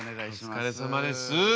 お疲れさまです。